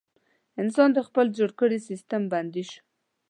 انسان د خپل جوړ کړي سیستم بندي شو.